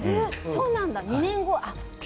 そうなんだ、２年後。